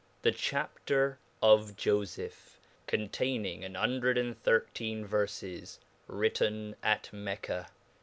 ^ Chapter of Jofeph, containing an hundred and thirteen Verfesy written at Mecca.